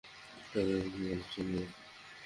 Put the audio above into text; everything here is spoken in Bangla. আমার বুদ্ধিমতো চলবে?